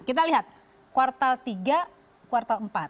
kita lihat kuartal tiga kuartal empat